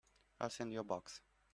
I'll send you a box.